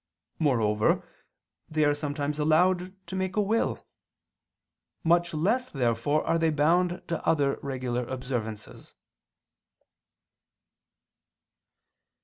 Moreover they are sometimes allowed to make a will. Much less therefore are they bound to other regular observances.